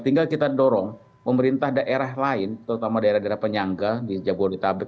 tinggal kita dorong pemerintah daerah lain terutama daerah daerah penyangga di jabodetabek